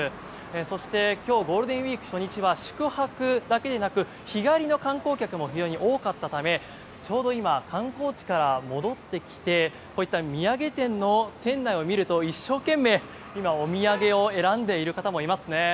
そして、今日ゴールデンウィーク初日は宿泊だけでなく日帰りの観光客も非常に多かったためちょうど今観光地から戻ってきてこういった土産店の店内を見ると一生懸命今、お土産を選んでいる方もいますね。